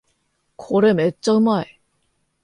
これめっちゃうまい